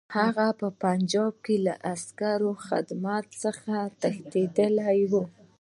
هغه په پنجاب کې له عسکري خدمت څخه تښتېدلی وو.